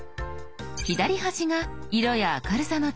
左端が「色や明るさの調整」。